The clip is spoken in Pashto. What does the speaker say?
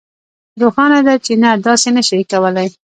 روښانه ده چې نه داسې نشئ کولی